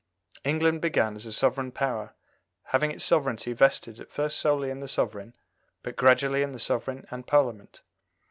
England began as a sovereign power, having its sovereignty vested at first solely in the Sovereign, but gradually in the Sovereign and Parliament.